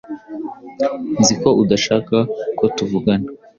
Nzi ko udashaka ko tuvugana.